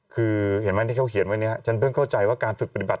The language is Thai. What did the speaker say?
คือเห็นไหมที่เขาเขียนไว้เนี่ยฉันเพิ่งเข้าใจว่าการฝึกปฏิบัติ